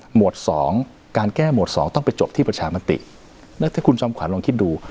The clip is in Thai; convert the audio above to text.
หวดสองการแก้หมวดสองต้องไปจบที่ประชามติแล้วถ้าคุณจอมขวัลลองคิดดู